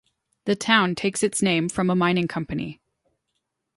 The town takes its name from a mining company.